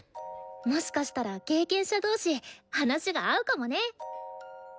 もしかしたら経験者同士話が合うかもね。